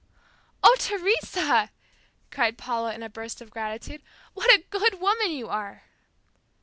"Oh, Teresa," cried Paula in a burst of gratitude, "what a good woman you are!"